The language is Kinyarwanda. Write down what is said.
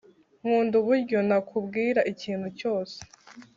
nkunda uburyo nakubwira ikintu cyose